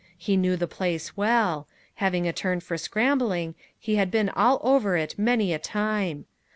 He knew the place well; having a turn for scrambling, he had been all over it many a time.